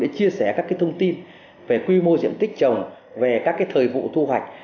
để chia sẻ các cái thông tin về quy mô diện tích trồng về các cái thời vụ thu hoạch